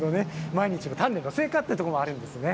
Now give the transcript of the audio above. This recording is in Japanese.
毎日の鍛錬の成果というところもあるんですね。